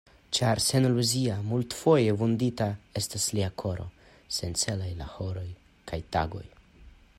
Ĉar seniluzia, multfoje vundita estas lia koro, sencelaj la horoj kaj tagoj.